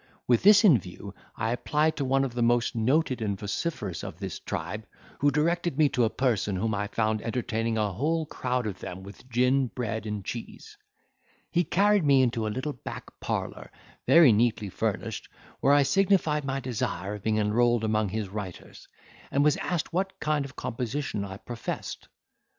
With this in view I applied to one of the most noted and vociferous of this tribe, who directed me to a person whom I found entertaining a whole crowd of them with gin, bread, and cheese; he carried me into a little back parlour, very neatly furnished, where I signified my desire of being enrolled among his writers; and was asked what kind of composition I professed.